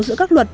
giữa các luật